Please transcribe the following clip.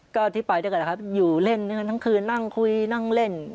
ก็อธิบายด้วยกันครับอยู่เล่นเนื้อทั้งคืนนั่งคุยนั่งเล่น